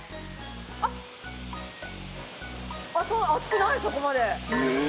◆あっ、熱くない、そこまで。